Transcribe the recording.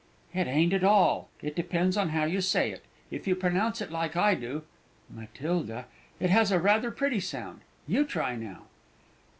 "It ain't at all; it all depends how you say it. If you pronounce it like I do, Matilda, it has rather a pretty sound. You try now."